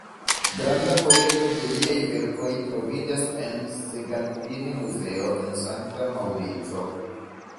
Granda kolekto de liaj verkoj troviĝas en Segantini-muzeo en Sankta Maŭrico.